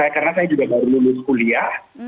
karena saya juga baru mulius kuliah